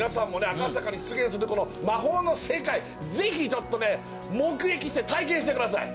赤坂に出現するこの魔法の世界ぜひちょっとね目撃して体験してください